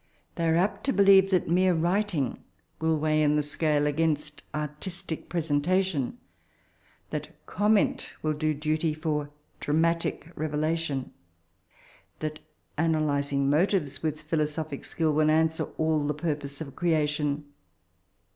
They are apt to believe that mere writing will weigh in the scale against «rtistic presentation ; that comment will do dntv for dramatic revdation ; that analysiog motives with philosophic skill will answer all the tmrpose of creation.